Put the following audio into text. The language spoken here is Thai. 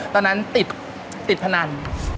ตอนนั้นติดพนัน